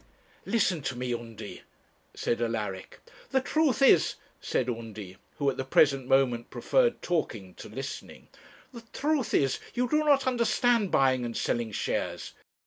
'Listen to me, Undy,' said Alaric. 'The truth is,' said Undy who at the present moment preferred talking to listening 'the truth is, you do not understand buying and selling shares.